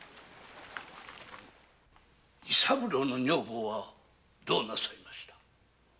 伊三郎の女房はどうなさいました？